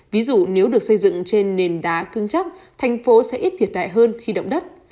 ví dụ nếu được xây dựng trên nền đá cưng chóc thành phố sẽ ít thiệt hại hơn khi động đất